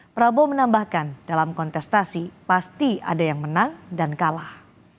prabowo menambahkan dalam kontestasi pasti ada yang menang dan kalah